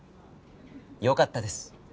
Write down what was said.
よかったです。